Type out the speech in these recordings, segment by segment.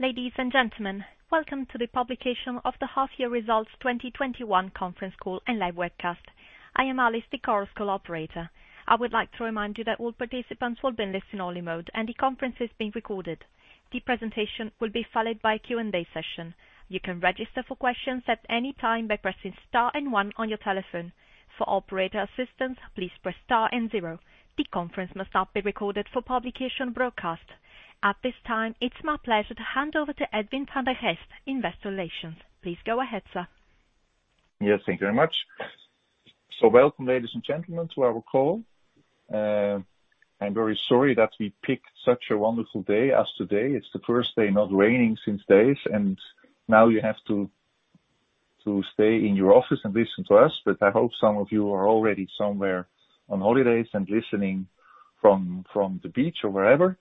Ladies and gentlemen, welcome to the publication of the half-year results 2021 conference call and live webcast. At this time, it's my pleasure to hand over to Edwin van der Geest, investor relations. Please go ahead, sir. Yes, thank you very much. Welcome, ladies and gentlemen, to our call. I'm very sorry that we picked such a wonderful day as today. It's the first day not raining since days, and now you have to stay in your office and listen to us, but I hope some of you are already somewhere on holidays and listening from the beach or wherever.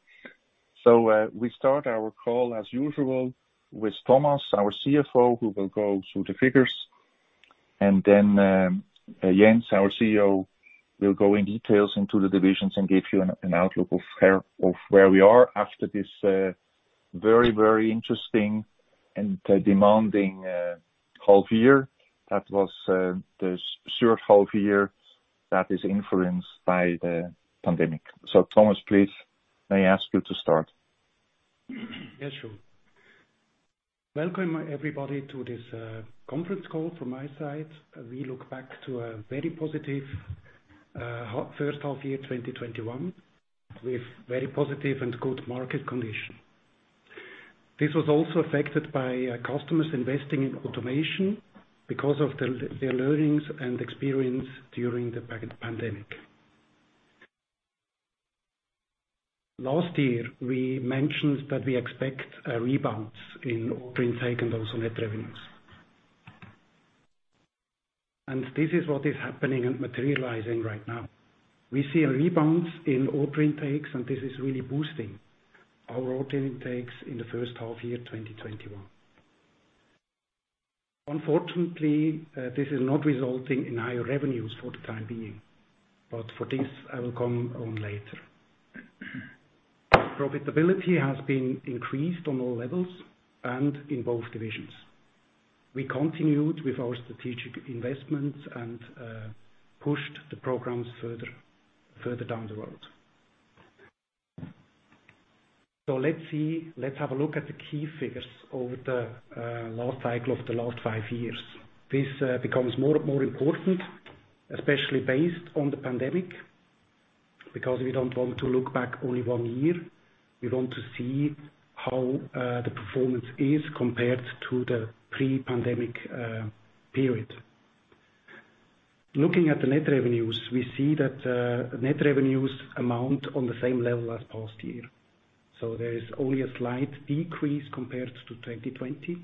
We start our call as usual with Thomas, our CFO, who will go through the figures, and then Jens, our CEO, will go in detail into the divisions and give you an outlook of where we are after this very interesting and demanding half year. That was the short half year that is influenced by the pandemic. Thomas, please, may I ask you to start? Yeah, sure. Welcome everybody to this conference call from my side. We look back to a very positive first half year 2021, with very positive and good market condition. This was also affected by customers investing in automation because of their learnings and experience during the pandemic. Last year, we mentioned that we expect a rebound in order intake and also net revenues. This is what is happening and materializing right now. We see a rebound in order intakes, and this is really boosting our order intakes in the first half year 2021. Unfortunately, this is not resulting in higher revenues for the time being. For this, I will come on later. Profitability has been increased on all levels and in both divisions. We continued with our strategic investments and pushed the programs further down the road. Let's have a look at the key figures over the last cycle of the last 5 years. This becomes more and more important, especially based on the pandemic, because we don't want to look back only 1 year. We want to see how the performance is compared to the pre-pandemic period. Looking at the net revenues, we see that net revenues amount on the same level as past year. There is only a slight decrease compared to 2020.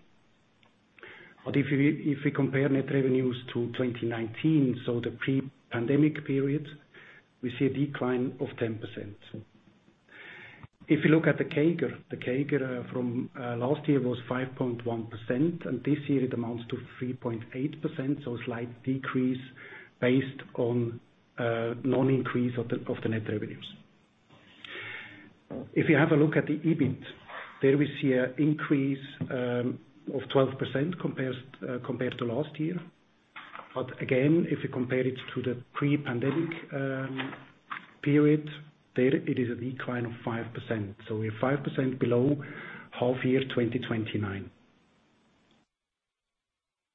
If we compare net revenues to 2019, the pre-pandemic period, we see a decline of 10%. If you look at the CAGR, the CAGR from last year was 5.1%, and this year it amounts to 3.8%, so a slight decrease based on non-increase of the net revenues. If you have a look at the EBIT, there we see an increase of 12% compared to last year. Again, if you compare it to the pre-pandemic period, there it is a decline of 5%. We're 5% below half year 2019.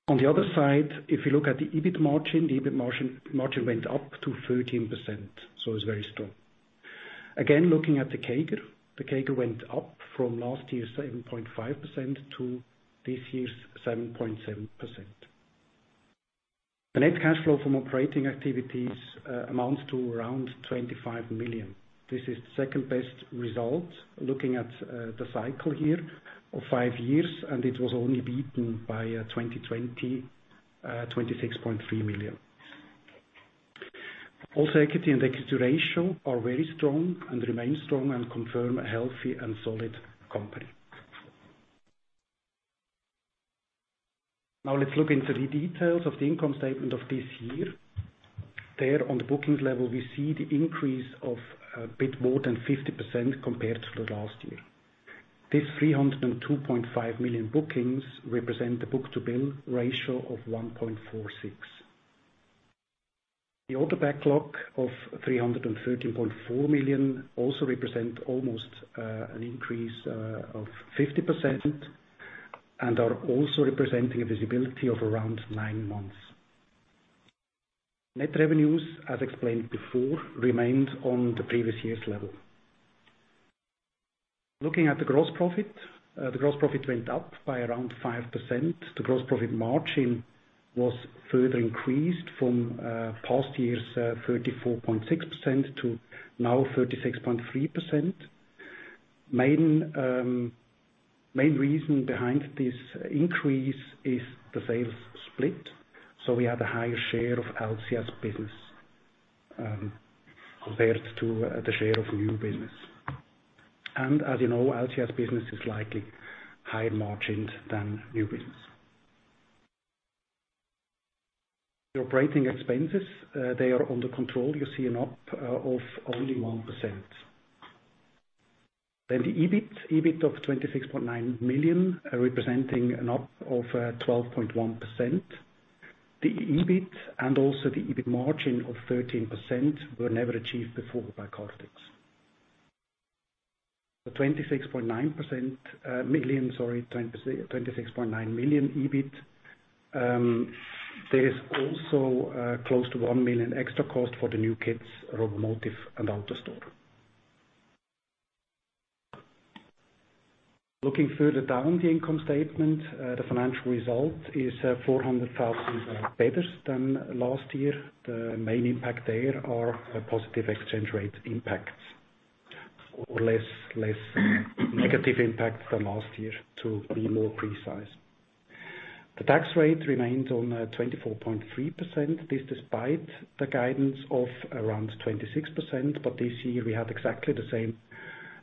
On the other side, if you look at the EBIT margin, the EBIT margin went up to 13%, it's very strong. Again, looking at the CAGR, the CAGR went up from last year's 7.5% to this year's 7.7%. The net cash flow from operating activities amounts to around 25 million. This is the second-best result looking at the cycle here of five years, and it was only beaten by 2020, 26.3 million. All equity and equity ratio are very strong and remain strong and confirm a healthy and solid company. Let's look into the details of the income statement of this year. There on the bookings level, we see the increase of a bit more than 50% compared to last year. This 302.5 million bookings represent the book-to-bill ratio of 1.46. The order backlog of 313.4 million also represent almost an increase of 50% and are also representing a visibility of around 9 months. Net revenues, as explained before, remained on the previous year's level. Looking at the gross profit, the gross profit went up by around 5%. The gross profit margin was further increased from past year's 34.6% to now 36.3%. Main reason behind this increase is the sales split. We have a higher share of LCS business compared to the share of new business. As you know, LCS business is likely higher margined than new business. The operating expenses, they are under control. You see an up of only 1%. The EBIT. EBIT of 26.9 million, representing an up of 12.1%. The EBIT and also the EBIT margin of 13% were never achieved before by Kardex. The 26.9 million EBIT. There is also close to 1 million extra cost for the new kits, Robomotive and AutoStore. Looking further down the income statement, the financial result is 400,000 better than last year. The main impact there are positive exchange rate impacts, or less negative impact than last year to be more precise. The tax rate remains on 24.3%. This despite the guidance of around 26%, but this year we had exactly the same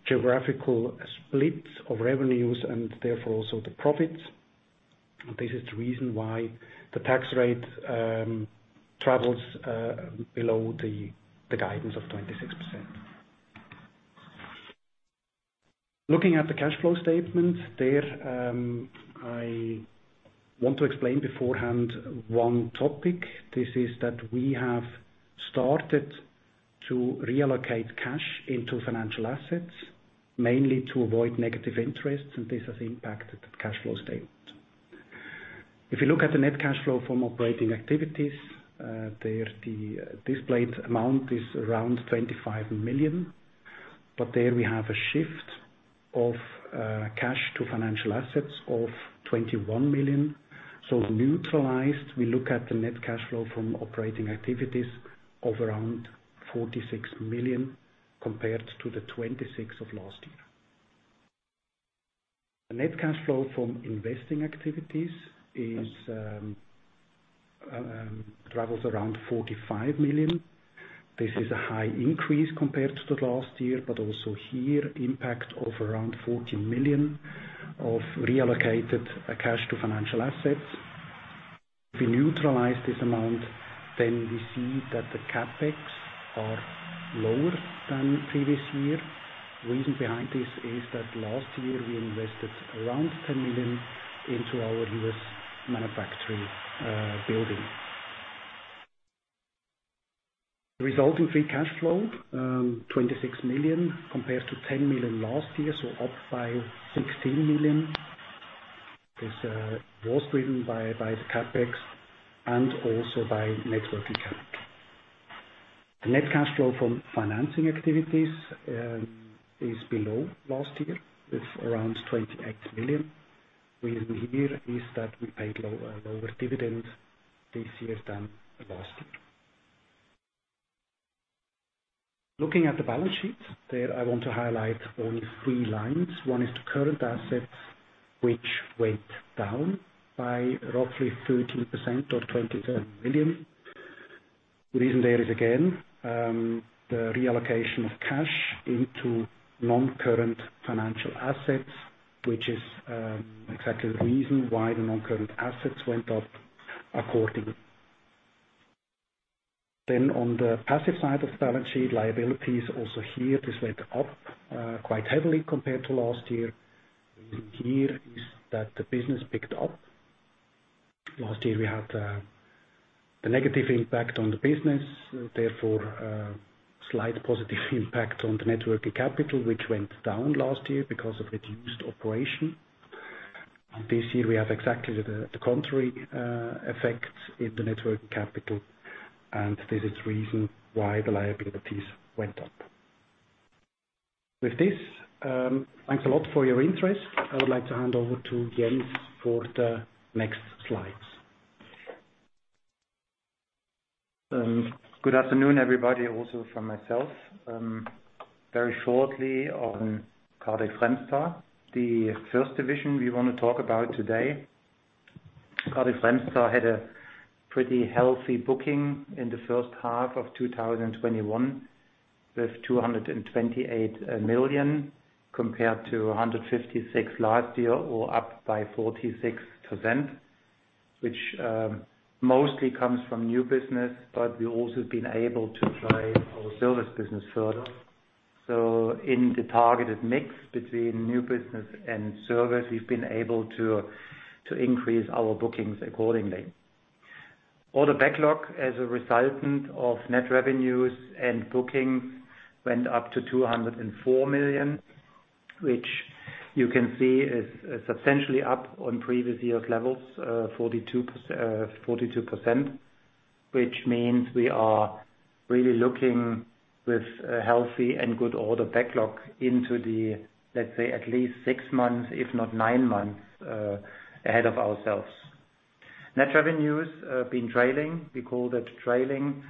geographical split of revenues and therefore also the profits. This is the reason why the tax rate travels below the guidance of 26%. Looking at the cash flow statement, there I want to explain beforehand one topic. This is that we have started to reallocate cash into financial assets, mainly to avoid negative interests, and this has impacted the cash flow statement. If you look at the net cash flow from operating activities, there the displayed amount is around 25 million, there we have a shift of cash to financial assets of 21 million. Neutralized, we look at the net cash flow from operating activities of around 46 million compared to the 26 million last year. The net cash flow from investing activities travels around 45 million. This is a high increase compared to the last year, also here impact of around 14 million of reallocated cash to financial assets. If we neutralize this amount, we see that the CapEx are lower than previous year. Reason behind this is that last year we invested around 10 million into our U.S. manufacturing building. Resulting free cash flow, 26 million compared to 10 million last year, up by 16 million. This was driven by the CapEx and also by net working capital. The net cash flow from financing activities is below last year, with around 28 million. Reason here is that we paid lower dividend this year than last year. Looking at the balance sheet, there I want to highlight only three lines. One is the current assets, which went down by roughly 13% or 27 million. Reason there is again, the reallocation of cash into non-current financial assets, which is exactly the reason why the non-current assets went up accordingly. On the passive side of the balance sheet, liabilities, also here, this went up quite heavily compared to last year. Reason here is that the business picked up. Last year we had the negative impact on the business, therefore slight positive impact on the net working capital, which went down last year because of reduced operation. This year we have exactly the contrary effects in the net working capital, and this is reason why the liabilities went up. With this, thanks a lot for your interest. I would like to hand over to Jens for the next slides. Good afternoon, everybody, also from myself. Very shortly on Kardex Remstar. The first division we want to talk about today, Kardex Remstar had a pretty healthy booking in the first half of 2021 with 228 million compared to 156 last year or up by 46%, which mostly comes from new business, but we've also been able to drive our service business further. In the targeted mix between new business and service, we've been able to increase our bookings accordingly. Order backlog as a resultant of net revenues and bookings went up to 204 million, which you can see is substantially up on previous year's levels, 42%, which means we are really looking with a healthy and good order backlog into the, let's say, at least six months, if not nine months, ahead of ourselves. Net revenues have been trailing. We call that trailing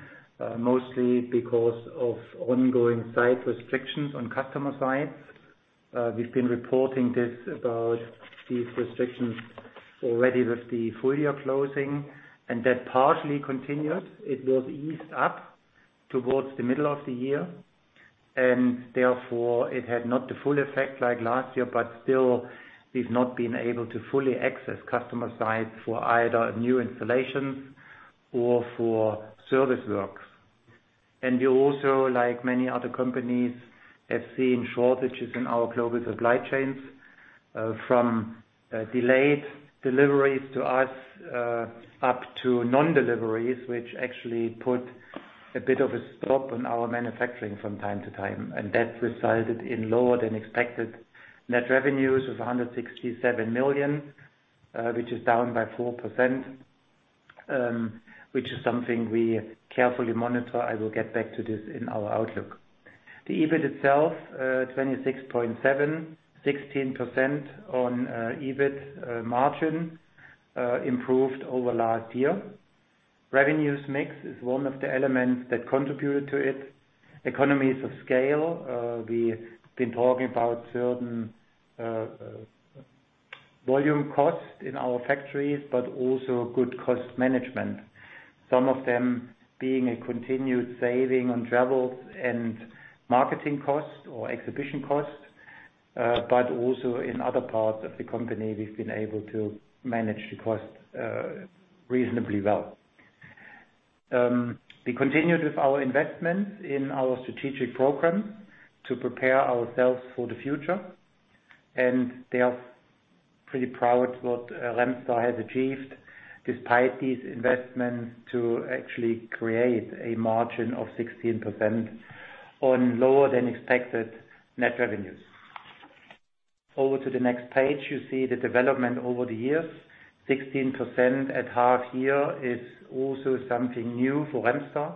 mostly because of ongoing site restrictions on customer sites. We've been reporting this about these restrictions already with the full-year closing, and that partially continued. It will ease up towards the middle of the year. Therefore it had not the full effect like last year, but still we've not been able to fully access customer sites for either new installations or for service works. We also, like many other companies, have seen shortages in our global supply chains, from delayed deliveries to us, up to non-deliveries, which actually put a bit of a stop on our manufacturing from time to time. That resulted in lower than expected net revenues of 167 million, which is down by 4%, which is something we carefully monitor. I will get back to this in our outlook. The EBIT itself, 26.7, 16% on EBIT margin, improved over last year. Revenues mix is one of the elements that contributed to it. Economies of scale. We've been talking about certain volume costs in our factories, but also good cost management. Some of them being a continued saving on travels and marketing costs or exhibition costs, but also in other parts of the company, we've been able to manage the costs reasonably well. We continued with our investments in our strategic program to prepare ourselves for the future, They are pretty proud what Remstar has achieved despite these investments, to actually create a margin of 16% on lower than expected net revenues. Over to the next page. You see the development over the years. 16% at half year is also something new for Remstar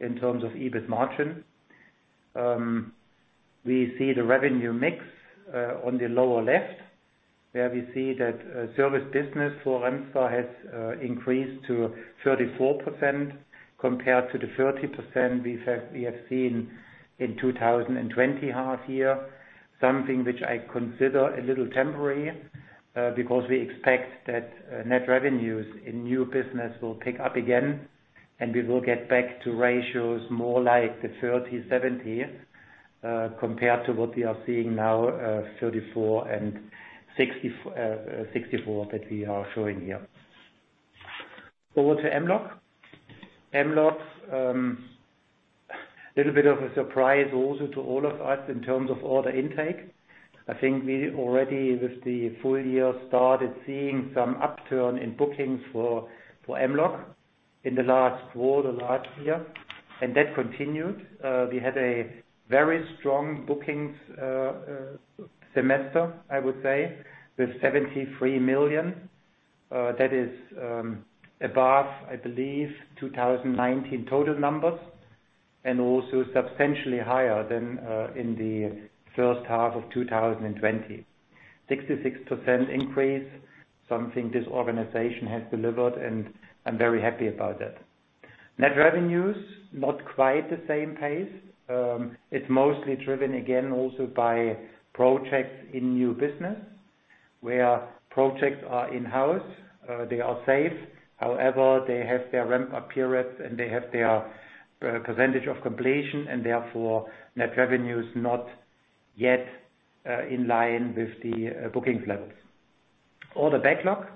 in terms of EBIT margin. We see the revenue mix on the lower left, where we see that service business for Kardex Remstar has increased to 34% compared to the 30% we have seen in 2020 half year. Something which I consider a little temporary, because we expect that net revenues in new business will pick up again, and we will get back to ratios more like the 30/70, compared to what we are seeing now, 34% and 64% that we are showing here. Over to Kardex Mlog. Kardex Mlog, little bit of a surprise also to all of us in terms of order intake. I think we already, with the full year, started seeing some upturn in bookings for Kardex Mlog in the last quarter, last year, and that continued. We had a very strong bookings semester, I would say, with 73 million. That is above, I believe, 2019 total numbers and also substantially higher than in the first half of 2020. 66% increase, something this organization has delivered, and I'm very happy about that. Net revenues, not quite the same pace. It's mostly driven, again, also by projects in new business, where projects are in-house. They are safe. However, they have their ramp-up periods and they have their percentage of completion and therefore net revenue is not yet in line with the bookings levels. Order backlog,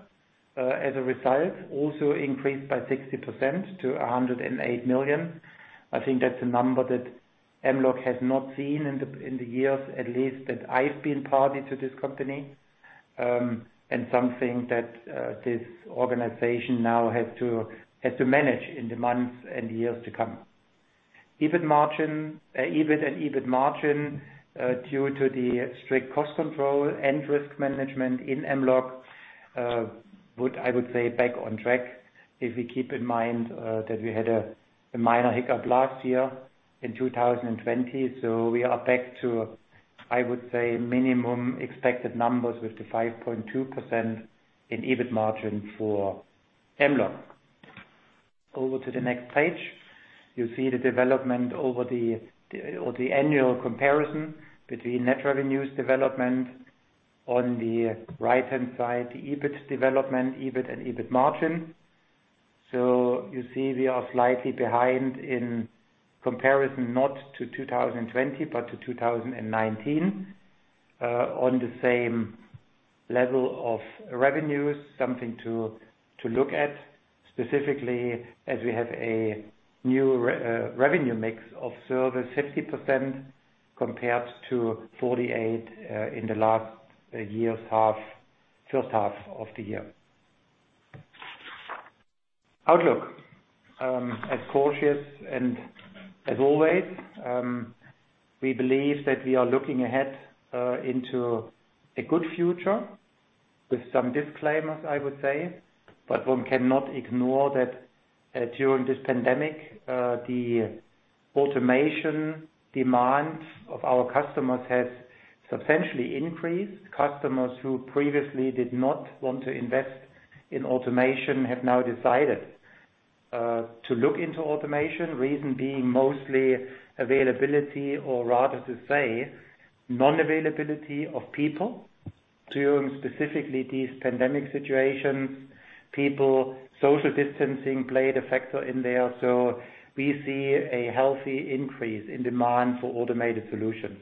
as a result, also increased by 60% to 108 million. I think that's a number that Mlog has not seen in the years at least that I've been party to this company. Something that this organization now has to manage in the months and years to come. EBIT and EBIT margin due to the strict cost control and risk management in Mlog, I would say back on track if we keep in mind that we had a minor hiccup last year in 2020. We are back to, I would say, minimum expected numbers with the 5.2% in EBIT margin for Mlog. Over to the next page. You see the development over the annual comparison between net revenues development on the right-hand side, the EBIT development, EBIT and EBIT margin. You see we are slightly behind in comparison, not to 2020, but to 2019, on the same level of revenues. Something to look at specifically as we have a new revenue mix of service, 50% compared to 48 in the last year's first half of the year. Outlook. As cautious and as always, we believe that we are looking ahead into a good future with some disclaimers, I would say. One cannot ignore that during this pandemic, the automation demand of our customers has substantially increased. Customers who previously did not want to invest in automation have now decided to look into automation. Reason being mostly availability, or rather to say, non-availability of people. During specifically these pandemic situations, people, social distancing played a factor in there. We see a healthy increase in demand for automated solutions.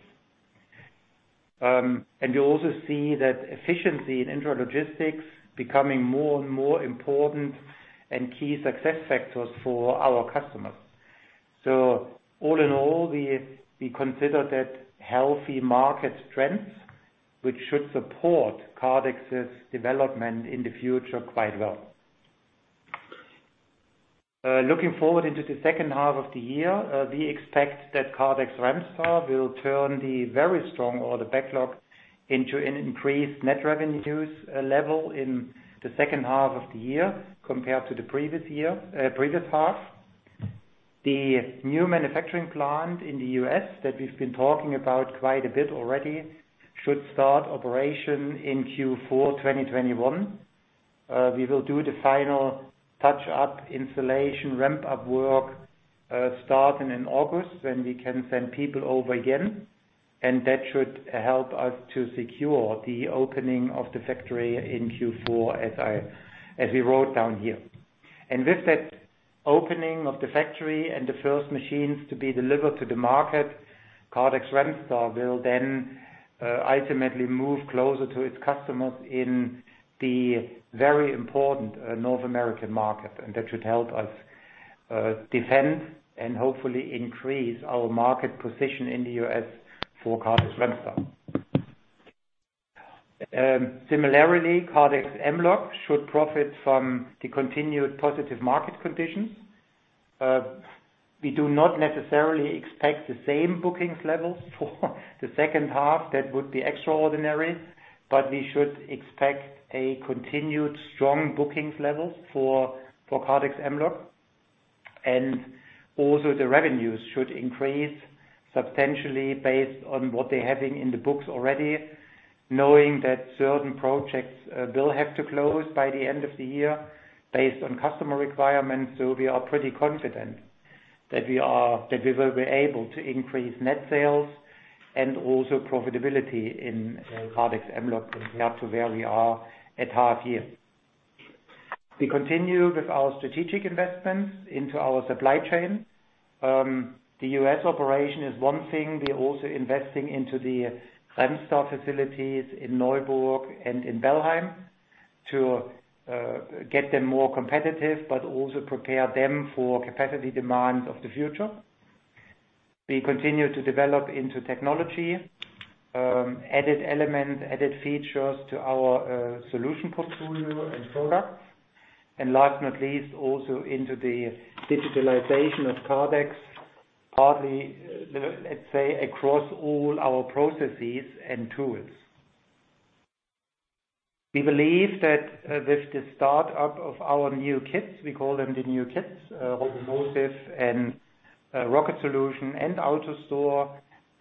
We also see that efficiency in intralogistics becoming more and more important and key success factors for our customers. All in all, we consider that healthy market trends, which should support Kardex's development in the future quite well. Looking forward into the second half of the year, we expect that Kardex Remstar will turn the very strong order backlog into an increased net revenues level in the second half of the year compared to the previous half. The new manufacturing plant in the U.S. that we've been talking about quite a bit already should start operation in Q4 2021. We will do the final touch-up installation, ramp-up work, starting in August when we can send people over again, and that should help us to secure the opening of the factory in Q4, as we wrote down here. With that opening of the factory and the first machines to be delivered to the market, Kardex Remstar will then ultimately move closer to its customers in the very important North American market, and that should help us defend and hopefully increase our market position in the U.S. for Kardex Remstar. Similarly, Kardex Mlog should profit from the continued positive market conditions. We do not necessarily expect the same bookings levels for the second half. That would be extraordinary. We should expect a continued strong bookings level for Kardex Mlog. Also the revenues should increase substantially based on what they're having in the books already, knowing that certain projects will have to close by the end of the year based on customer requirements. We are pretty confident that we will be able to increase net sales and also profitability in Kardex Mlog compared to where we are at half year. We continue with our strategic investments into our supply chain. The U.S. operation is one thing. We're also investing into the Remstar facilities in Neuburg and in Bellheim to get them more competitive, but also prepare them for capacity demands of the future. We continue to develop into technology, added element, added features to our solution portfolio and products. Last not least, also into the digitalization of Kardex, partly, let's say, across all our processes and tools. We believe that with the startup of our new kits, we call them the new kits, Robomotive and Rocket Solution and AutoStore,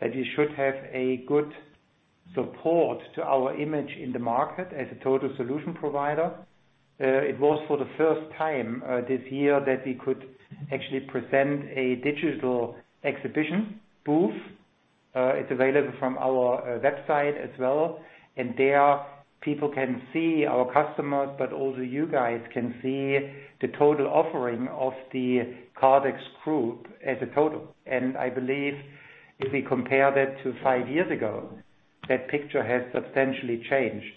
that we should have a good support to our image in the market as a total solution provider. It was for the first time this year that we could actually present a digital exhibition booth. It is available from our website as well. There people can see, our customers, but also you guys, can see the total offering of the Kardex Group as a total. I believe if we compare that to five years ago, that picture has substantially changed.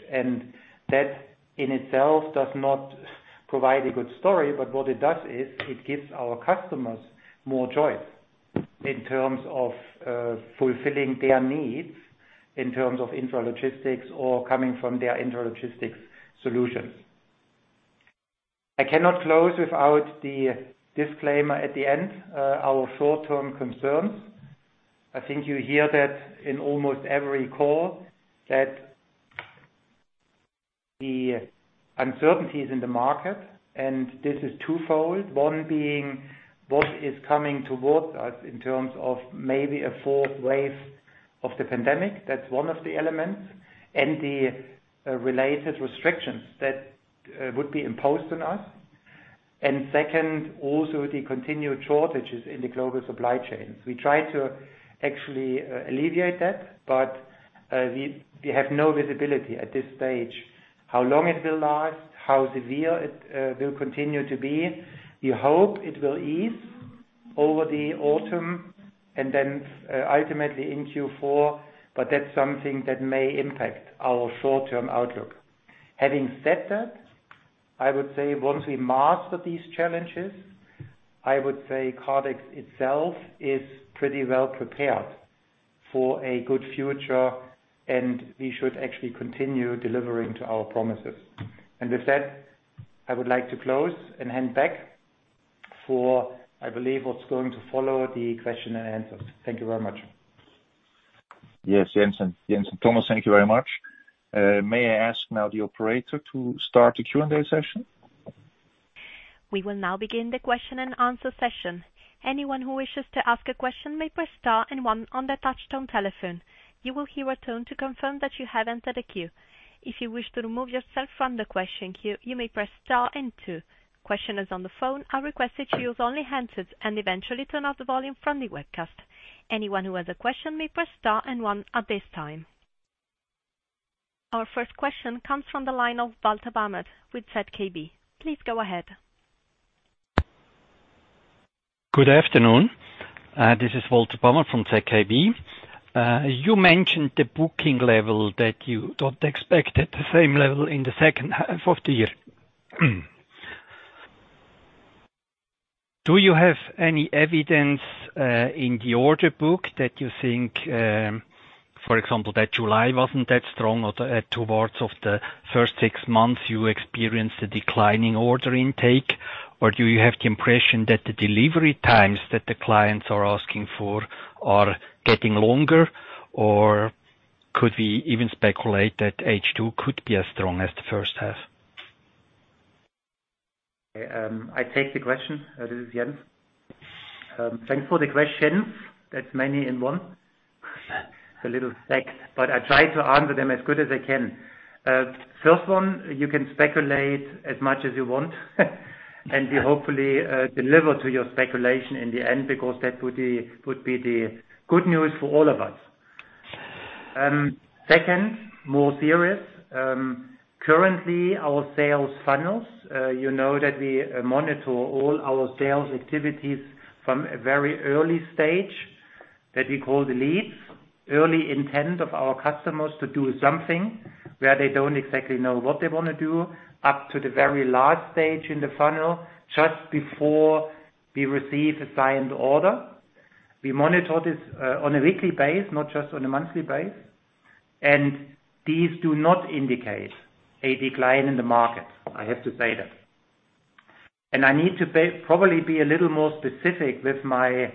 That in itself does not provide a good story, but what it does is it gives our customers more choice in terms of fulfilling their needs, in terms of intralogistics or coming from their intralogistics solutions. I cannot close without the disclaimer at the end. Our short-term concerns. I think you hear that in almost every call, that the uncertainty is in the market, and this is twofold. One being what is coming towards us in terms of maybe a fourth wave of the pandemic. That's one of the elements. The related restrictions that would be imposed on us. Second, also the continued shortages in the global supply chains. We try to actually alleviate that, we have no visibility at this stage, how long it will last, how severe it will continue to be. We hope it will ease over the autumn then ultimately in Q4, that's something that may impact our short-term outlook. Having said that, I would say once we master these challenges, I would say Kardex itself is pretty well prepared for a good future, we should actually continue delivering to our promises. With that, I would like to close and hand back for, I believe, what's going to follow the question and answers. Thank you very much. Yes. Jens and Thomas, thank you very much. May I ask now the operator to start the Q&A session? We will now begin the question and answer session. Anyone who wishes to ask a question may press star one on their touch-tone telephone. You will hear a tone to confirm that you have entered a queue. If you wish to remove yourself from the question queue, you may press star two. Questioners on the phone are requested to use only handsets and eventually turn off the volume from the webcast. Anyone who has a question may press star one at this time. Our first question comes from the line of Walter Bamert with ZKB. Please go ahead. Good afternoon. This is Walter Bamert from ZKB. You mentioned the booking level that you don't expect at the same level in the second half of the year. Do you have any evidence in the order book that you think, for example, that July wasn't that strong or towards of the first six months you experienced a declining order intake? Do you have the impression that the delivery times that the clients are asking for are getting longer? Could we even speculate that H2 could be as strong as the first half? I take the question. This is Jens. Thanks for the questions. That's many in one. It's a little stacked, but I try to answer them as good as I can. First one, you can speculate as much as you want and we hopefully deliver to your speculation in the end because that would be the good news for all of us. Second, more serious. Currently, our sales funnels, you know that we monitor all our sales activities from a very early stage that we call the leads. Early intent of our customers to do something where they don't exactly know what they want to do, up to the very last stage in the funnel just before we receive a signed order. We monitor this on a weekly basis, not just on a monthly basis. These do not indicate a decline in the market, I have to say that. I need to probably be a little more specific with my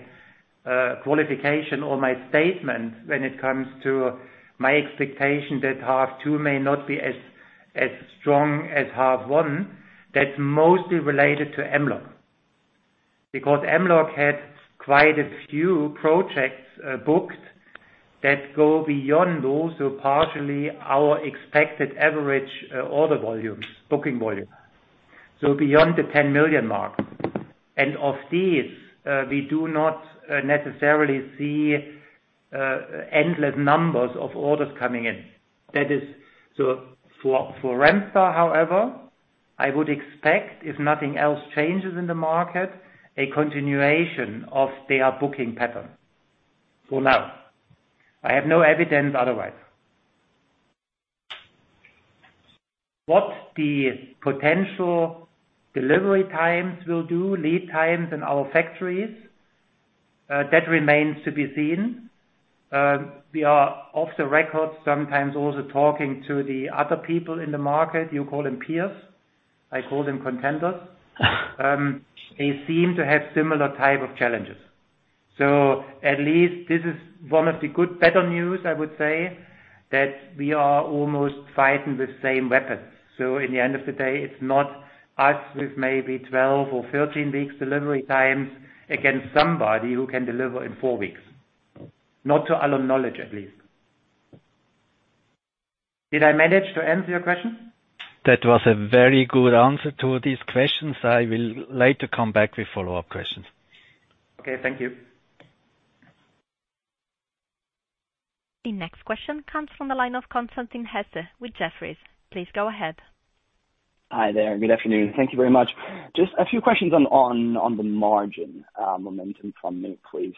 qualification or my statement when it comes to my expectation that half two may not be as strong as half one. That's mostly related to Mlog. Mlog had quite a few projects booked that go beyond those who partially our expected average order volume, booking volume. Beyond the 10 million mark. Of these, we do not necessarily see endless numbers of orders coming in. For Remstar, however, I would expect if nothing else changes in the market, a continuation of their booking pattern for now. I have no evidence otherwise. What the potential delivery times will do, lead times in our factories, that remains to be seen. We are off the record sometimes also talking to the other people in the market. You call them peers, I call them contenders. They seem to have similar type of challenges. At least this is one of the good better news, I would say, that we are almost fighting the same weapons. In the end of the day, it's not us with maybe 12 or 13 weeks delivery times against somebody who can deliver in four weeks. Not to our knowledge, at least. Did I manage to answer your question? That was a very good answer to these questions. I will later come back with follow-up questions. Okay. Thank you. The next question comes from the line of Constantin Hesse with Jefferies. Please go ahead. Hi there. Good afternoon. Thank you very much. Just a few questions on the margin, momentum from me, please.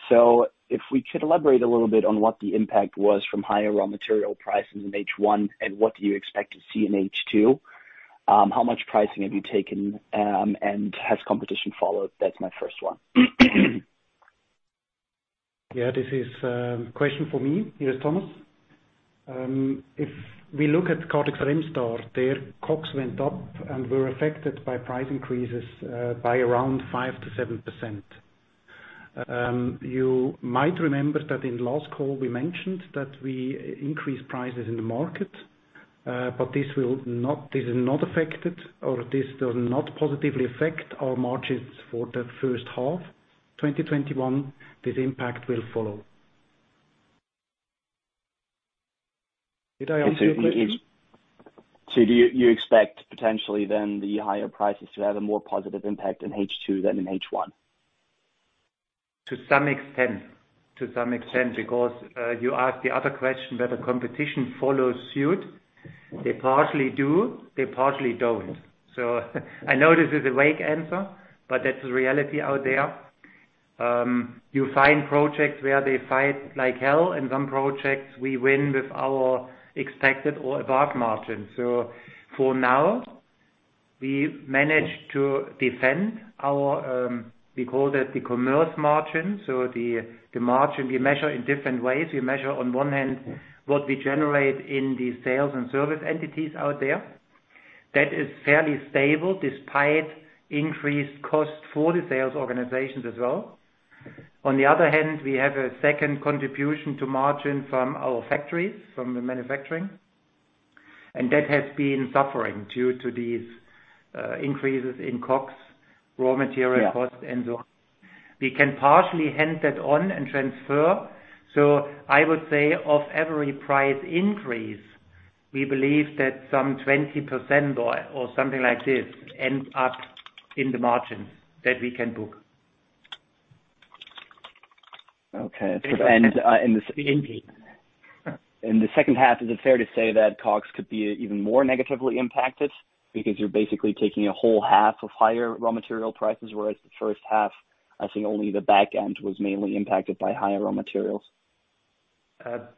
If we could elaborate a little bit on what the impact was from higher raw material prices in H1 and what do you expect to see in H2? How much pricing have you taken? Has competition followed? That's my first one. Yeah, this is a question for me. Here is Thomas. If we look at Kardex Remstar, their costs went up and were affected by price increases by around 5%-7%. You might remember that in last call we mentioned that we increased prices in the market, this does not positively affect our margins for the first half 2021. This impact will follow. Did I answer your question? Do you expect potentially then the higher prices to have a more positive impact in H2 than in H1? To some extent. To some extent, because you asked the other question whether competition follows suit. They partially do, they partially don't. I know this is a vague answer, but that's the reality out there. You find projects where they fight like hell, and some projects we win with our expected or above margin. For now, we've managed to defend our, we call it the commerce margin. The margin we measure in different ways. We measure on one hand what we generate in the sales and service entities out there. That is fairly stable despite increased cost for the sales organizations as well. On the other hand, we have a second contribution to margin from our factories, from the manufacturing. That has been suffering due to these increases in costs, raw material costs, and so on. We can partially hand that on and transfer. I would say of every price increase, we believe that some 20% or something like this ends up in the margins that we can book. Okay. In the second half, is it fair to say that COGS could be even more negatively impacted? Because you're basically taking a whole half of higher raw material prices, whereas the first half, I think only the back end was mainly impacted by higher raw materials. That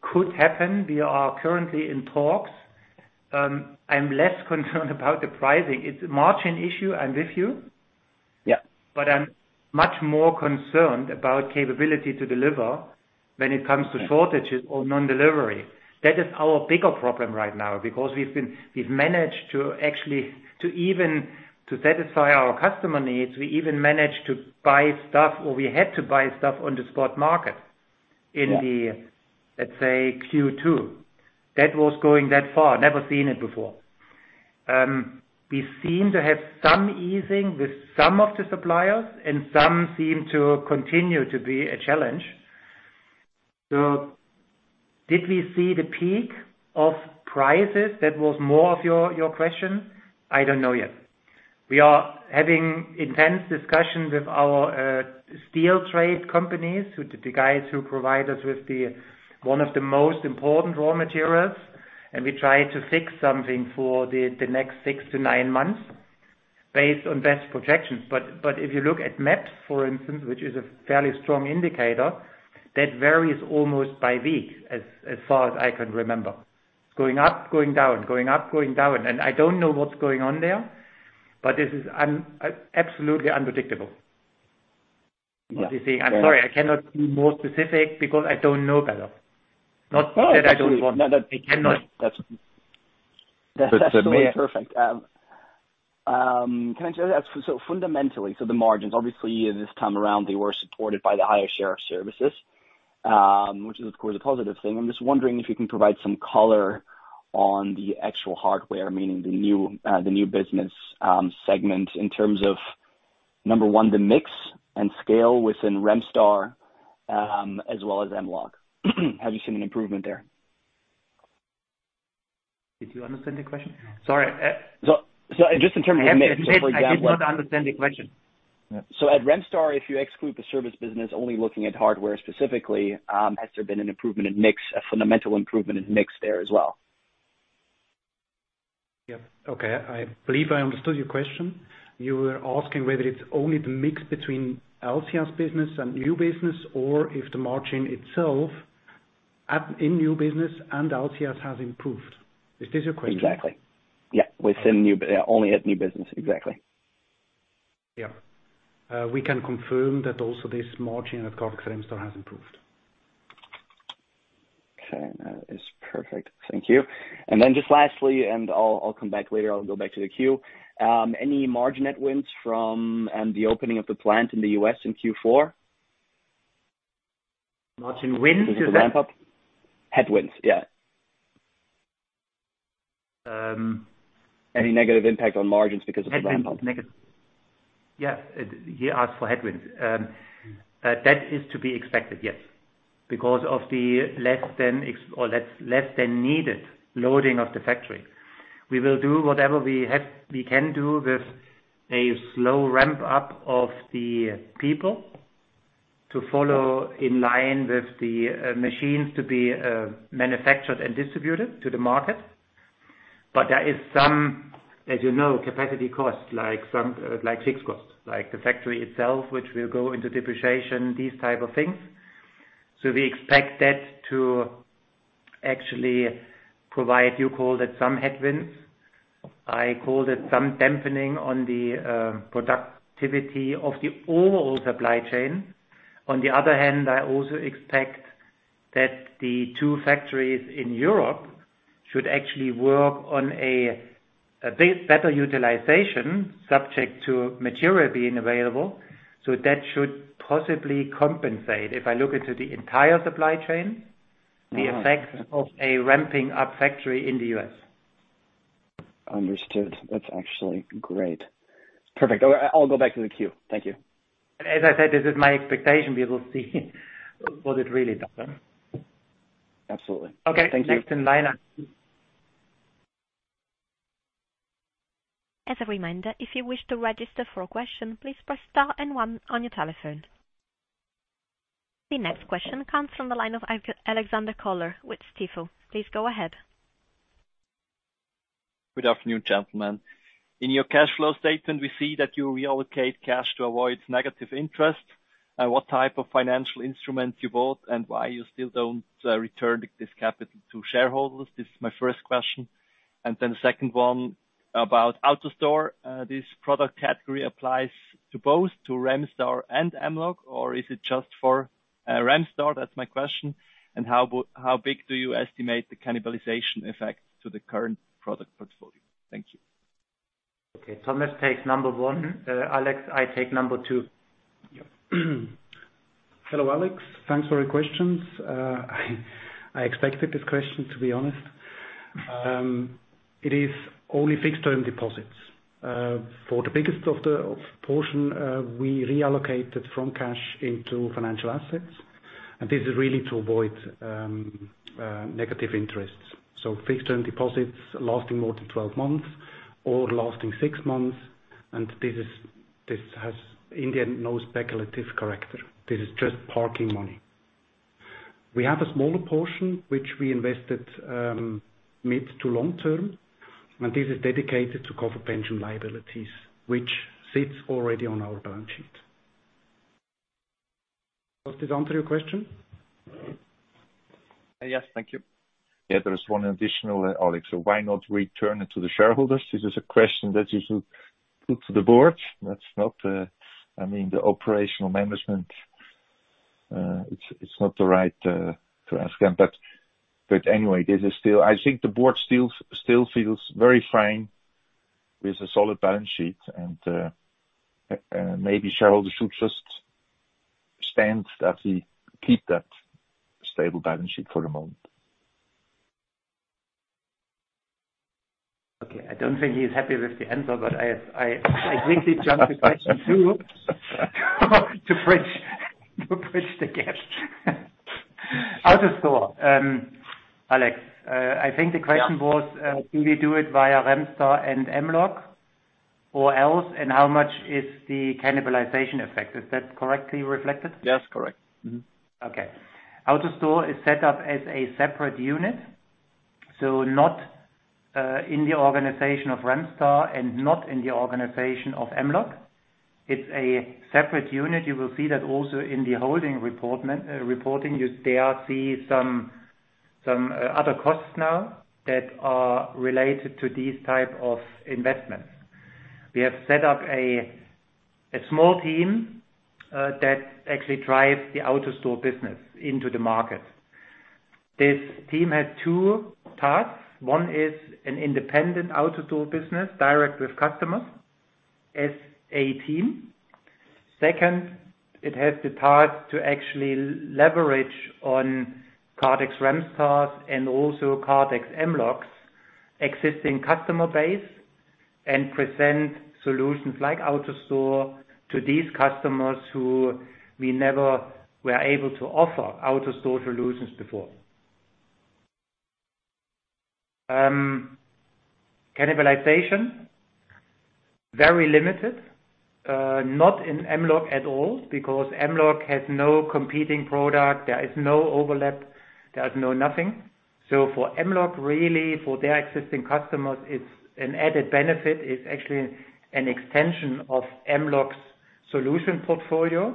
could happen. We are currently in talks. I'm less concerned about the pricing. It's a margin issue, I'm with you. Yeah. I'm much more concerned about capability to deliver when it comes to shortages or non-delivery. That is our bigger problem right now. We've managed to satisfy our customer needs, we even managed to buy stuff, or we had to buy stuff on the spot market. Yeah in the, let's say Q2. That was going that far, never seen it before. We seem to have some easing with some of the suppliers and some seem to continue to be a challenge. Did we see the peak of prices? That was more of your question. I don't know yet. We are having intense discussions with our steel trade companies, the guys who provide us with one of the most important raw materials, and we try to fix something for the next six to nine months based on best projections. If you look at MICE, for instance, which is a fairly strong indicator, that varies almost by week as far as I can remember. Going up, going down, going up, going down. I don't know what's going on there, but this is absolutely unpredictable. Yeah. You see, I'm sorry, I cannot be more specific because I don't know better. Not that I don't want. I cannot. That's perfectly. Can I just ask, fundamentally, the margins, obviously this time around, they were supported by the higher share of services, which is of course a positive thing. I'm just wondering if you can provide some color on the actual hardware, meaning the new business segment in terms of number one, the mix and scale within Remstar, as well as Mlog. Have you seen an improvement there? Did you understand the question? Sorry. Just in terms of mix, hopefully down- I did not understand the question. At Remstar, if you exclude the service business, only looking at hardware specifically, has there been an improvement in mix, a fundamental improvement in mix there as well? Yep. Okay. I believe I understood your question. You were asking whether it's only the mix between LCS business and new business or if the margin itself in new business and LCS has improved. Is this your question? Exactly. Yeah. Only at new business. Exactly. Yeah. We can confirm that also this margin at Kardex Remstar has improved. Okay. No, it's perfect. Thank you. Just lastly and I'll come back later, I'll go back to the queue. Any margin headwinds from the opening of the plant in the U.S. in Q4? Margin winds? Because of the ramp up. Headwinds, yeah. Any negative impact on margins because of the ramp up. Yeah. He asked for headwinds. That is to be expected, yes, because of the less than needed loading of the factory. We will do whatever we can do with a slow ramp up of the people to follow in line with the machines to be manufactured and distributed to the market. There is some, as you know, capacity cost, like fixed costs, like the factory itself, which will go into depreciation, these type of things. We expect that to actually provide, you called it some headwinds, I called it some dampening on the productivity of the overall supply chain. On the other hand, I also expect that the two factories in Europe should actually work on a better utilization subject to material being available. That should possibly compensate, if I look into the entire supply chain, the effects of a ramping up factory in the U.S. Understood. That's actually great. Perfect. I'll go back to the queue. Thank you. As I said, this is my expectation. We will see what it really does. Absolutely. Thank you. Okay. Next in line. As a reminder, if you wish to register for a question, please press star and one on your telephone. The next question comes from the line of Alexander Koller with Stifel. Please go ahead. Good afternoon, gentlemen. In your cash flow statement, we see that you reallocate cash to avoid negative interest. What type of financial instruments you bought and why you still don't return this capital to shareholders? This is my first question. The second one about AutoStore. This product category applies to both Remstar and Mlog or is it just for Remstar? That's my question. How big do you estimate the cannibalization effect to the current product portfolio? Thank you. Okay. Thomas takes number one. Alex, I take number two. Yep. Hello, Alex. Thanks for your questions. I expected this question to be honest. It is only fixed term deposits. For the biggest of the portion, we reallocated from cash into financial assets. This is really to avoid negative interests. Fixed term deposits lasting more than 12 months or lasting six months, and this has in the end, no speculative character. This is just parking money. We have a smaller portion, which we invested mid to long-term, and this is dedicated to cover pension liabilities, which sits already on our balance sheet. Does this answer your question? Yes. Thank you. Yeah, there is one additional, Alex. Why not return it to the shareholders? This is a question that you should put to the board. I mean, the operational management, it's not the right to ask them. Anyway, I think the board still feels very fine with a solid balance sheet and, maybe shareholders should just stand that we keep that stable balance sheet for the moment. Okay. I don't think he's happy with the answer. I quickly jump to question 2. To bridge the gap. AutoStore, Alex, I think the question was, do we do it via Remstar and Mlog or else and how much is the cannibalization effect? Is that correctly reflected? Yes. Correct. Okay. AutoStore is set up as a separate unit, so not in the organization of Remstar and not in the organization of Mlog. It's a separate unit. You will see that also in the holding reporting, you there see some other costs now that are related to these type of investments. We have set up a small team that actually drives the AutoStore business into the market. This team has two tasks. One is an independent AutoStore business direct with customers as a team. Second, it has the task to actually leverage on Kardex Remstar's and also Kardex Mlog's existing customer base and present solutions like AutoStore to these customers who we never were able to offer AutoStore solutions before. Cannibalization, very limited. Not in Mlog at all because Mlog has no competing product. There is no overlap. There's no nothing. For Mlog, really, for their existing customers, it's an added benefit. It's actually an extension of Mlog's solution portfolio,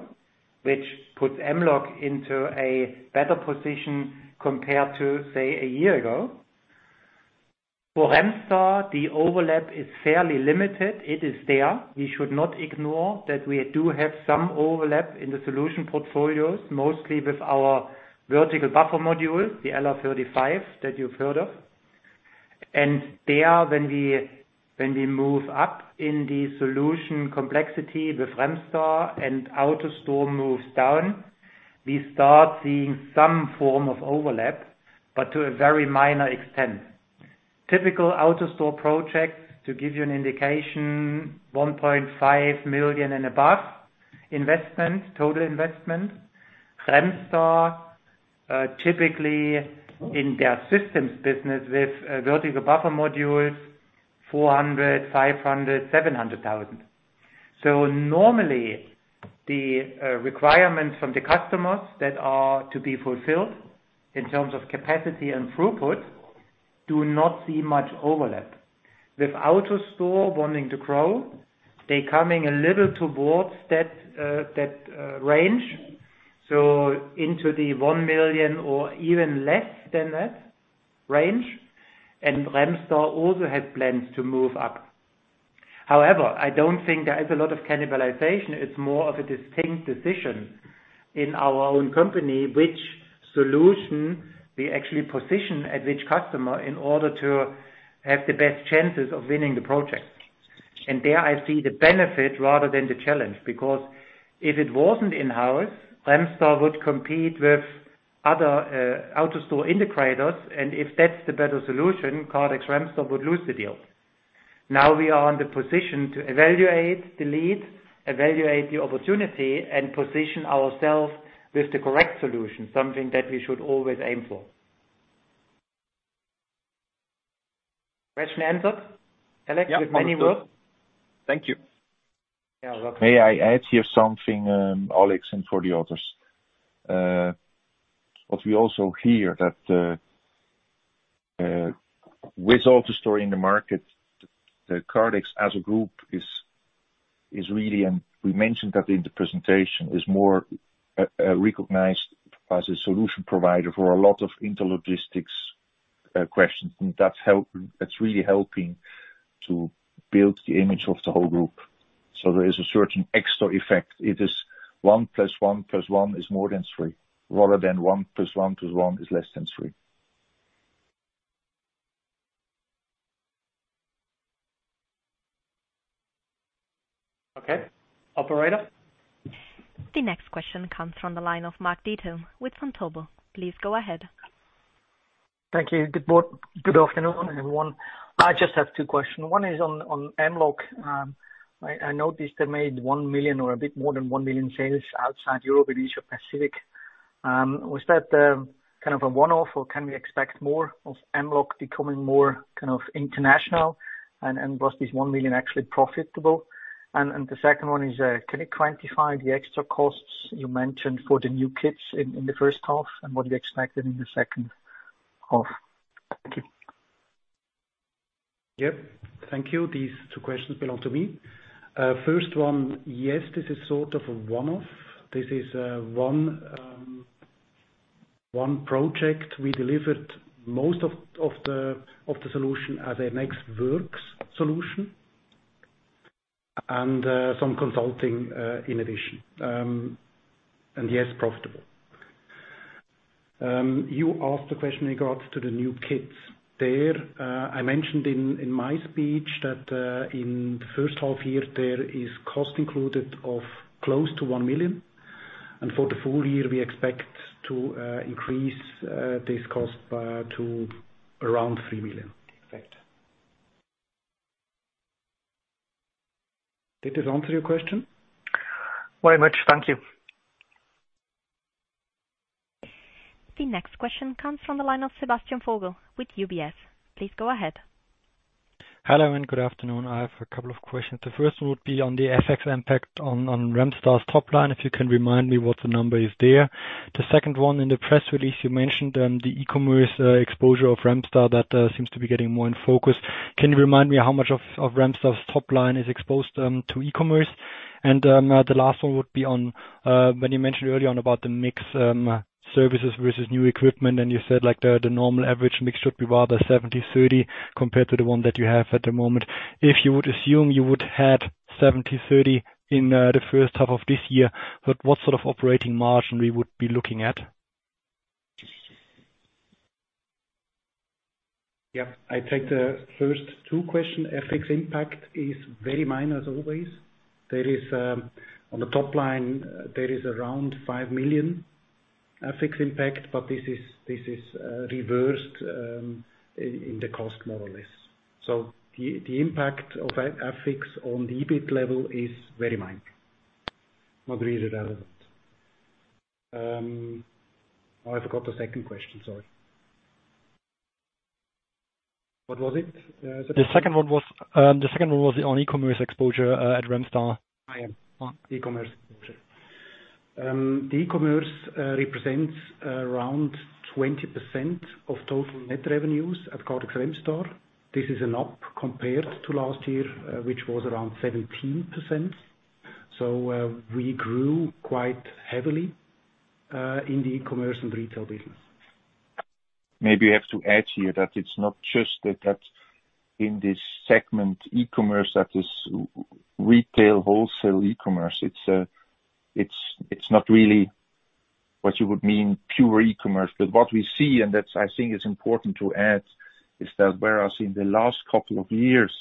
which puts Mlog into a better position compared to, say, a year ago. For Remstar, the overlap is fairly limited. It is there. We should not ignore that we do have some overlap in the solution portfolios, mostly with our Vertical Buffer Module, the LR 35 that you've heard of. There, when we move up in the solution complexity with Remstar and AutoStore moves down, we start seeing some form of overlap, but to a very minor extent. Typical AutoStore projects, to give you an indication, 1.5 million and above investment, total investment. Remstar, typically in their systems business with vertical buffer modules, 400,000, 500,000, 700,000. Normally, the requirements from the customers that are to be fulfilled in terms of capacity and throughput do not see much overlap. With AutoStore wanting to grow, they're coming a little towards that range. Into the 1 million or even less than that range, and Remstar also has plans to move up. However, I don't think there is a lot of cannibalization. It's more of a distinct decision in our own company, which solution we actually position at which customer in order to have the best chances of winning the project. There I see the benefit rather than the challenge, because if it wasn't in-house, Remstar would compete with other AutoStore integrators, and if that's the better solution, Kardex Remstar would lose the deal. Now we are in the position to evaluate the lead, evaluate the opportunity, and position ourselves with the correct solution, something that we should always aim for. Question answered, Alex, with many words? Yeah. Thank you. You are welcome. May I add here something, Alex, and for the others. What we also hear that, with AutoStore in the market, Kardex as a group is really, and we mentioned that in the presentation, is more recognized as a solution provider for a lot of intralogistics questions. That's really helping to build the image of the whole group. There is a certain extra effect. It is one plus one plus one is more than three, rather than one plus one plus one is less than three. Okay. Operator? The next question comes from the line of Mark Diethelm with Vontobel. Please go ahead. Thank you. Good afternoon, everyone. I just have two questions. One is on Mlog. I noticed they made 1 million or a bit more than 1 million sales outside Europe in Asia Pacific. Was that kind of a one-off, or can we expect more of Mlog becoming more international, and was this 1 million actually profitable? The second one is, can you quantify the extra costs you mentioned for the new kits in the first half, and what you expected in the second half? Thank you. Yep. Thank you. These two questions belong to me. First one, yes, this is sort of a one-off. This is one project we delivered most of the solution as an ex-works solution and some consulting in addition. Yes, profitable. You asked the question in regards to the new kits. There, I mentioned in my speech that in the first half year, there is cost included of close to 1 million. For the full year, we expect to increase this cost to around EUR 3 million effect. Did this answer your question? Very much. Thank you. The next question comes from the line of Sebastian Vogel with UBS. Please go up ahead. Hello and good afternoon. I have a couple of questions. The first would be on the FX impact on Remstar's top line, if you can remind me what the number is there. The second one, in the press release, you mentioned the e-commerce exposure of Remstar that seems to be getting more in focus. Can you remind me how much of Remstar's top line is exposed to e-commerce? The last one would be on, when you mentioned earlier on about the mix services versus new equipment, and you said the normal average mix should be rather 70/30 compared to the one that you have at the moment. If you would assume you would had 70/30 in the first half of this year, at what sort of operating margin we would be looking at? Yep. I take the first two questions. FX impact is very minor as always. On the top line, there is around 5 million FX impact, but this is reversed in the cost more or less. The impact of FX on the EBIT level is very minor. Not really relevant. I forgot the second question, sorry. What was it? The second one was on e-commerce exposure at Remstar. E-commerce exposure. E-commerce represents around 20% of total net revenues at Kardex Remstar. This is an up compared to last year, which was around 17%. We grew quite heavily, in the e-commerce and retail business. Maybe I have to add here that it's not just that in this segment, e-commerce, that is retail, wholesale e-commerce. It's not really what you would mean pure e-commerce. What we see, and that I think is important to add, is that whereas in the last couple of years,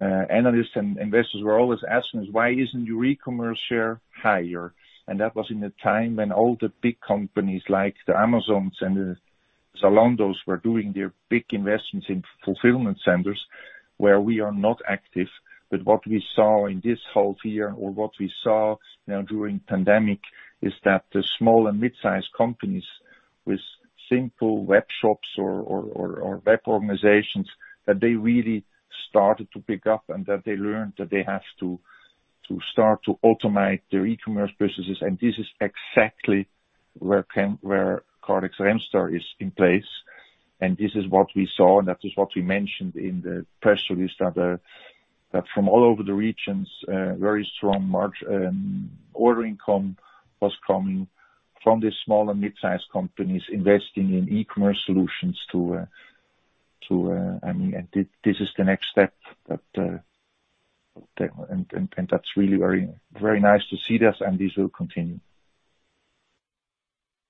analysts and investors were always asking us, Why isn't your e-commerce share higher? That was in the time when all the big companies like the Amazon and the Zalando were doing their big investments in fulfillment centers, where we are not active. What we saw in this half year, or what we saw now during pandemic, is that the small and mid-size companies with simple web shops or web organizations, that they really started to pick up and that they learned that they have to start to automate their e-commerce businesses. This is exactly where Kardex Remstar is in place. This is what we saw and that is what we mentioned in the press release, that from all over the regions, very strong order income was coming from the small and mid-size companies investing in e-commerce solutions. I mean, this is the next step. That's really very nice to see this and this will continue.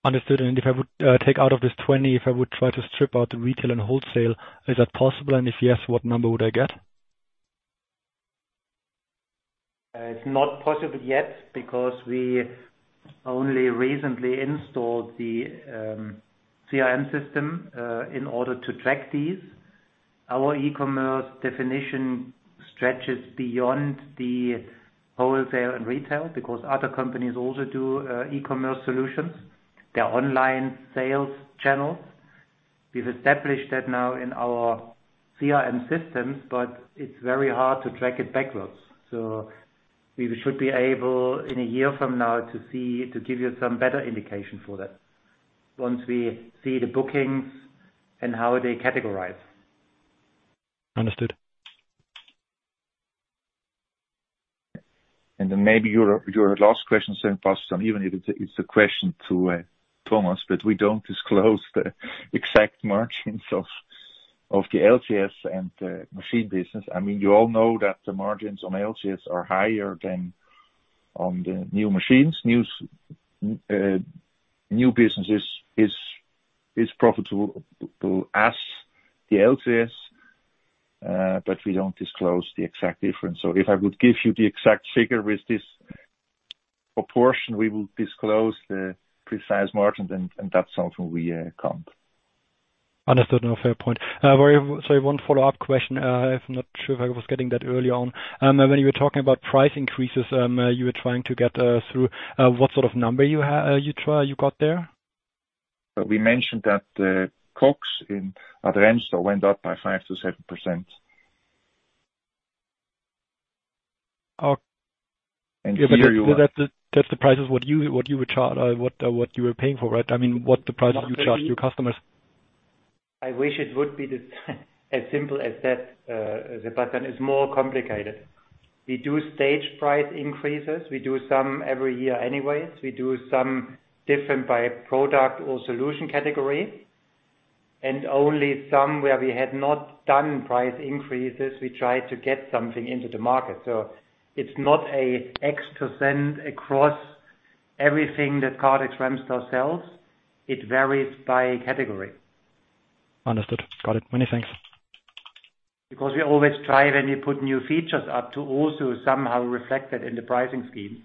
Understood. If I would take out of this 20, if I would try to strip out the retail and wholesale, is that possible? If yes, what number would I get? It's not possible yet because we only recently installed the CRM system, in order to track these. Our e-commerce definition stretches beyond the wholesale and retail because other companies also do e-commerce solutions, their online sales channels. We've established that now in our CRM systems. It's very hard to track it backwards. We should be able in a year from now to see, to give you some better indication for that once we see the bookings and how they categorize. Understood. Maybe your last question, even if it's a question to Thomas, but we don't disclose the exact margins of the LCS and the machine business. I mean, you all know that the margins on LCS are higher than on the new machines. New business is profitable as the LCS, but we don't disclose the exact difference. If I would give you the exact figure with this proportion, we will disclose the precise margin then and that's something we count. Understood. No, fair point. Sorry, one follow-up question. I'm not sure if I was getting that early on. When you were talking about price increases, you were trying to get through, what sort of number you got there? We mentioned that the COGS in AutoStore went up by 5%-7%. Okay. Here you are. That's the price of what you were paying for, right? I mean, what the price you charge your customers. I wish it would be as simple as that, but then it's more complicated. We do stage price increases. We do some every year anyways. We do some different by product or solution category, and only some where we had not done price increases, we try to get something into the market. It's not a X% across everything that Kardex Remstar sells. It varies by category. Understood. Got it. Many thanks. We always try when we put new features up to also somehow reflect that in the pricing scheme.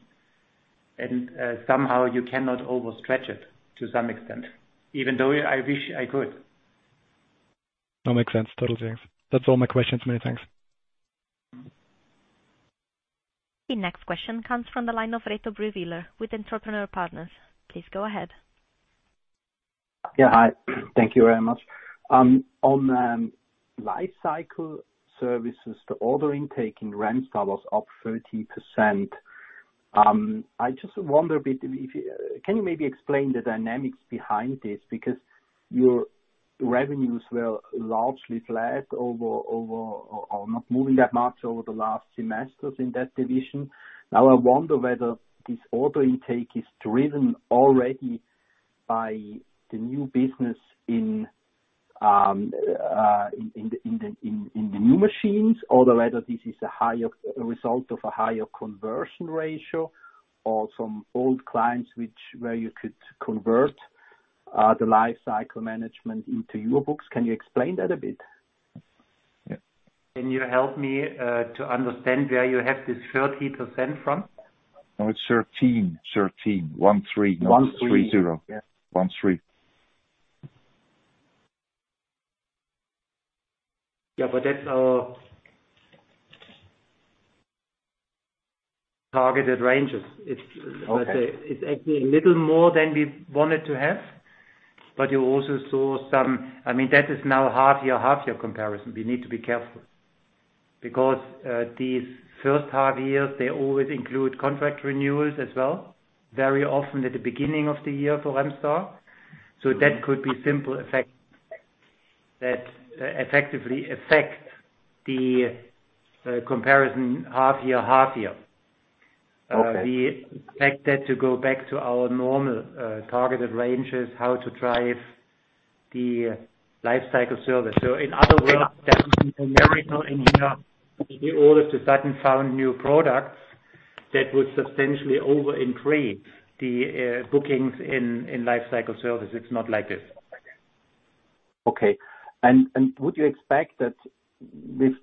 Somehow you cannot overstretch it to some extent, even though I wish I could. No, makes sense. Totally. That's all my questions. Many thanks. The next question comes from the line of Reto Brühwiler with Entrepreneur Partners. Please go ahead. Yeah. Hi. Thank you very much. On Life Cycle Services, the order intake in Remstar was up 13%. I just wonder a bit, can you maybe explain the dynamics behind this? Your revenues were largely flat or not moving that much over the last semesters in that division. I wonder whether this order intake is driven already by the new business in the new machines or whether this is a result of a higher conversion ratio or from old clients where you could convert, the Life Cycle Management into your books. Can you explain that a bit? Can you help me, to understand where you have this 30% from? No, it's 13. one, three. One, three. Not three, 0. 1, 3. Yeah, that's our targeted ranges. Okay. It's actually a little more than we wanted to have. That is now half year, half year comparison. We need to be careful because these first half years, they always include contract renewals as well, very often at the beginning of the year for Remstar. That could be simple effect that effectively affect the comparison half year, half year. Okay. We expect that to go back to our normal, targeted ranges, how to drive the Life Cycle Services. In other words, that means a miracle in here, we all of a sudden found new products that would substantially over increase the bookings in Life Cycle Services. It's not like this. Okay. Would you expect that with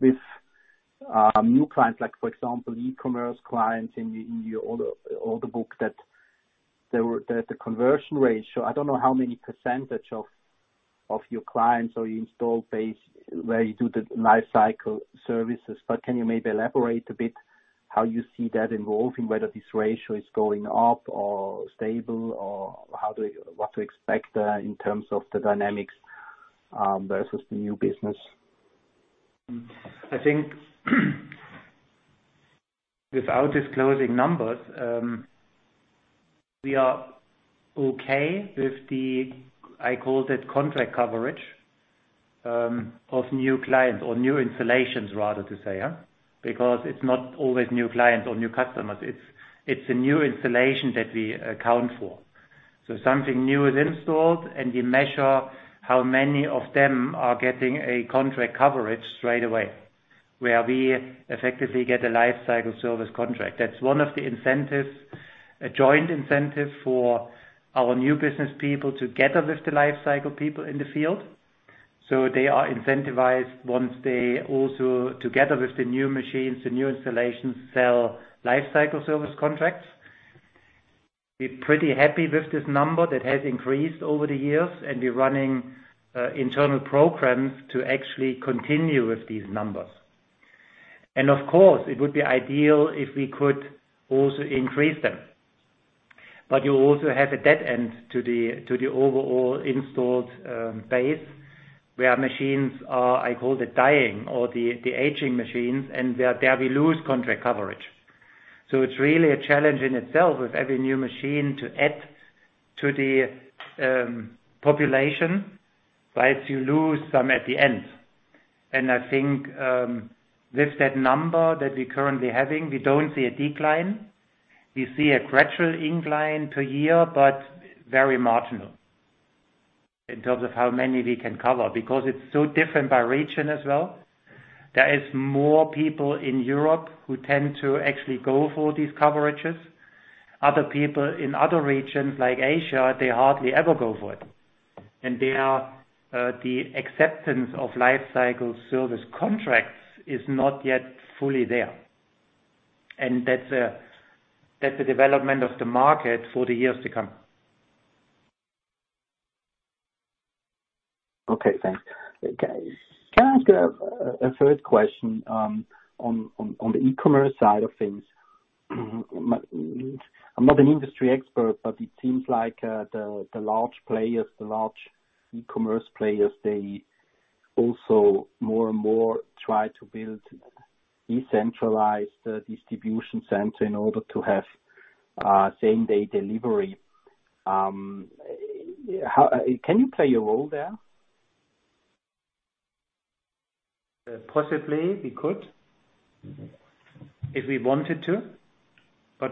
new clients, for example, e-commerce clients in your order book that the conversion ratio, I don't know how many percentage of your clients or your install base where you do the Life Cycle Services, but can you maybe elaborate a bit how you see that evolving, whether this ratio is going up or stable, or what to expect, in terms of the dynamics, versus the new business? I think without disclosing numbers, we are okay with the, I call it contract coverage, of new clients or new installations rather to say. It's not always new clients or new customers. It's a new installation that we account for. Something new is installed, and we measure how many of them are getting a contract coverage straight away, where we effectively get a Life Cycle Service contract. That's one of the incentives, a joint incentive for our new business people together with the Life Cycle people in the field. They are incentivized once they also, together with the new machines, the new installations, sell Life Cycle Service contracts. We're pretty happy with this number that has increased over the years, and we're running internal programs to actually continue with these numbers. Of course, it would be ideal if we could also increase them. You also have a dead end to the overall installed base, where machines are, I call it dying or the aging machines, and there we lose contract coverage. It's really a challenge in itself with every new machine to add to the population, whilst you lose some at the end. I think, with that number that we're currently having, we don't see a decline. We see a gradual incline per year, but very marginal in terms of how many we can cover, because it's so different by region as well. There is more people in Europe who tend to actually go for these coverages. Other people in other regions like Asia, they hardly ever go for it. The acceptance of Life Cycle Services contracts is not yet fully there. That's a development of the market for the years to come. Okay, thanks. Can I ask a third question on the e-commerce side of things? I'm not an industry expert, it seems like the large e-commerce players, they also more and more try to build decentralized distribution center in order to have same-day delivery. Can you play a role there? Possibly, we could. If we wanted to.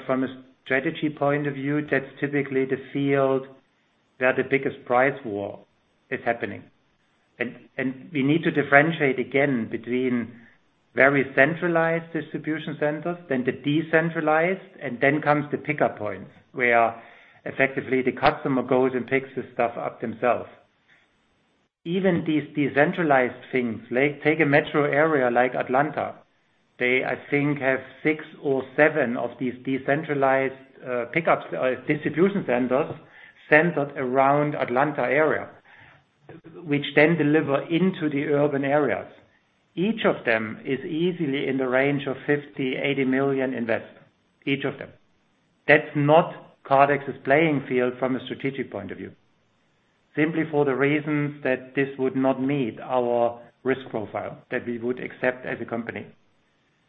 From a strategy point of view, that's typically the field where the biggest price war is happening. We need to differentiate again between very centralized distribution centers, then the decentralized, and then comes the pickup points, where effectively the customer goes and picks the stuff up themselves. Even these decentralized things, like take a metro area like Atlanta. They, I think, have six or seven of these decentralized pickup distribution centers centered around Atlanta area, which then deliver into the urban areas. Each of them is easily in the range of 50 million-80 million investment. Each of them. That's not Kardex's playing field from a strategic point of view. Simply for the reasons that this would not meet our risk profile that we would accept as a company.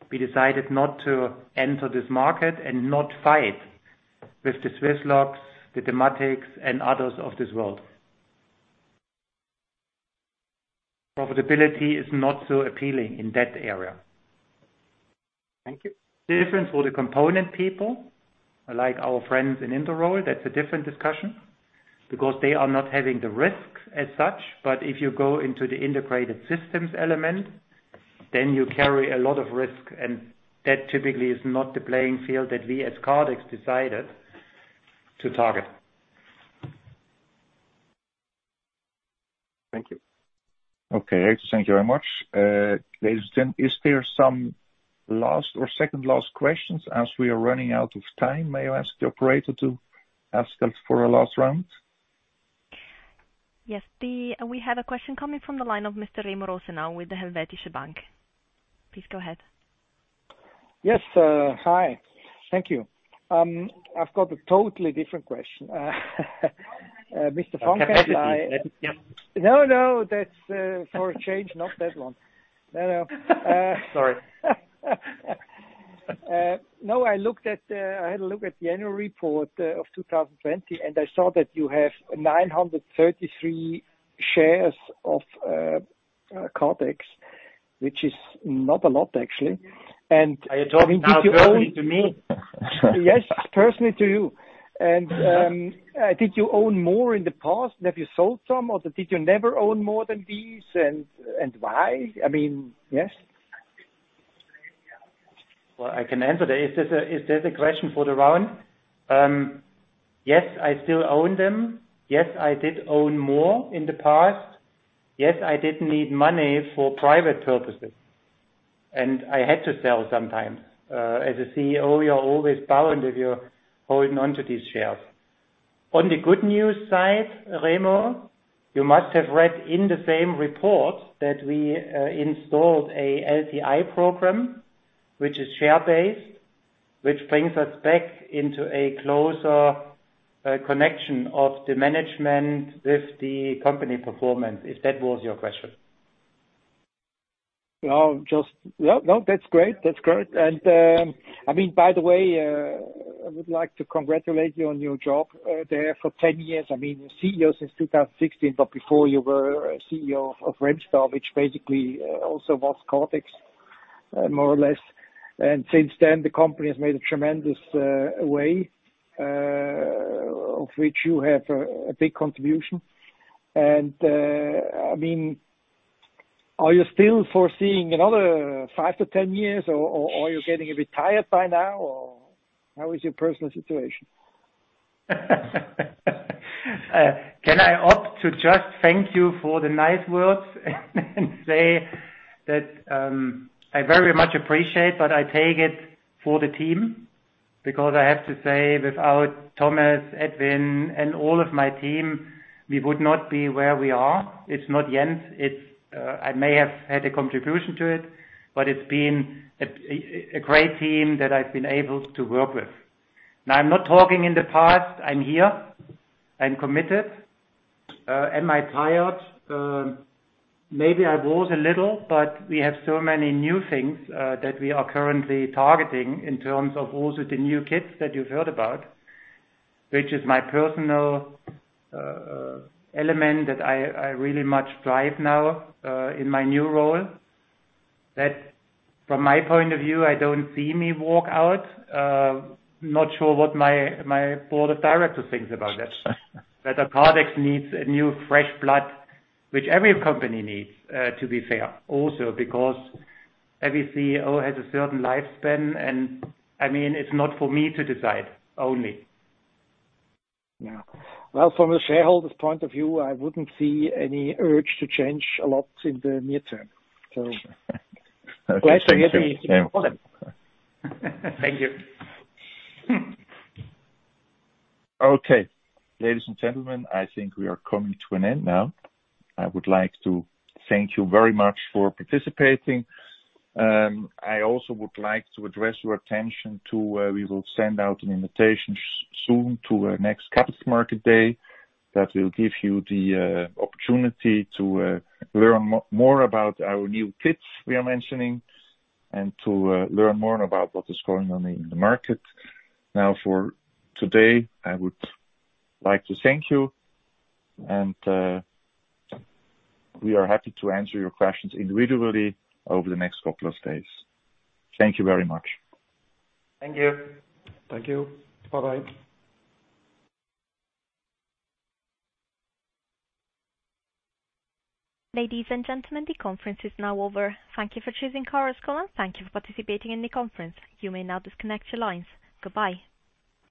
We decided not to enter this market and not fight with the Swisslogs, the Dematics, and others of this world. Profitability is not so appealing in that area. Thank you. Difference for the component people, like our friends in Interroll, that's a different discussion because they are not having the risks as such. If you go into the integrated systems element, then you carry a lot of risk, and that typically is not the playing field that we as Kardex decided to target. Thank you. Okay. Thank you very much. Ladies and gent, is there some last or second last questions as we are running out of time? May I ask the operator to ask us for a last round? Yes. We have a question coming from the line of Mr. Remo Rosenau with the Helvetische Bank. Please go ahead. Yes. Hi. Thank you. I've got a totally different question. Mr. Franke. I can't wait. Yep. No, no, that's, for a change, not that one. No, no. Sorry. No, I had a look at the annual report of 2020, and I saw that you have 933 shares of Kardex, which is not a lot, actually. Are you talking now personally to me? Yes, personally to you. Did you own more in the past? Have you sold some, or did you never own more than these, and why? I mean Yes? Well, I can answer that. Is this a question for the round? Yes, I still own them. Yes, I did own more in the past. Yes, I did need money for private purposes. I had to sell sometimes. As a CEO, you are always bound if you're holding onto these shares. On the good news side, Remo, you must have read in the same report that we installed a LTI program, which is share-based, which brings us back into a closer connection of the management with the company performance, if that was your question. No, that's great. By the way, I would like to congratulate you on your job there for 10 years. You're CEO since 2016, but before you were CEO of Remstar, which basically also was Kardex, more or less. Since then, the company has made a tremendous way, of which you have a big contribution. Are you still foreseeing another five to 10 years, or you're getting a bit tired by now? How is your personal situation? Can I opt to just thank you for the nice words and say that I very much appreciate, but I take it for the team. Because I have to say, without Thomas, Edwin, and all of my team, we would not be where we are. It's not Jens. I may have had a contribution to it, but it's been a great team that I've been able to work with. Now, I'm not talking in the past. I'm here. I'm committed. Am I tired? Maybe I was a little, but we have so many new things that we are currently targeting in terms of also the new kits that you've heard about, which is my personal element that I really much drive now, in my new role. That from my point of view, I don't see me walk out. Not sure what my board of directors thinks about that. Whether Kardex needs a new fresh blood, which every company needs, to be fair. Also, because every CEO has a certain lifespan, and it is not for me to decide only. Yeah. Well, from a shareholder's point of view, I wouldn't see any urge to change a lot in the near term. Okay. Thank you. Glad to hear the follow-up. Thank you. Okay. Ladies and gentlemen, I think we are coming to an end now. I would like to thank you very much for participating. I also would like to address your attention to where we will send out an invitation soon to our next capital market day that will give you the opportunity to learn more about our new kits we are mentioning and to learn more about what is going on in the market. Now, for today, I would like to thank you, and we are happy to answer your questions individually over the next couple of days. Thank you very much. Thank you. Thank you. Bye-bye. Ladies and gentlemen, the conference is now over. Thank you for choosing Chorus Call, and thank you for participating in the conference. You may now disconnect your lines. Goodbye.